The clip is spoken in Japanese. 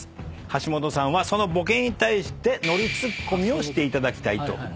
橋本さんはそのボケに対してノリツッコミをしていただきたいと思います。